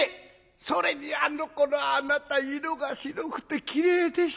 それにあのころあなた色が白くてきれいでした。